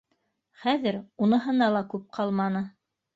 Хәҙер уныһына ла күп ҡалманы